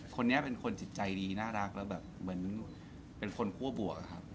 คนนี้เป็นคนจิตใจดีน่ารักแล้วแบบเหมือนเป็นคนคั่วบวกอะครับ